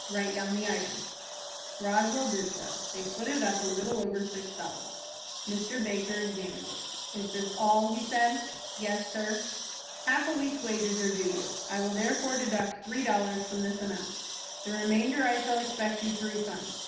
Write down the items." Roswell did so. They footed up a little over six dollars. Mr. Baker examined it. "Is this all?" he said. "Yes, sir." "Half a week's wages are due you, I will therefore deduct three dollars from this amount. The remainder I shall expect you to refund.